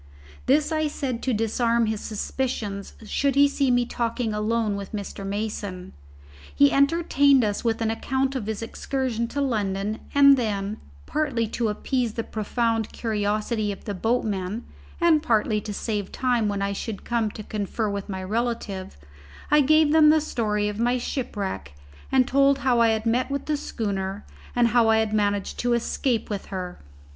This I said to disarm his suspicions should he see me talking alone with Mr. Mason. He entertained us with an account of his excursion to London; and then, partly to appease the profound curiosity of the boatmen and partly to save time when I should come to confer with my relative, I gave them the story of my shipwreck, and told how I had met with the schooner and how I had managed to escape with her.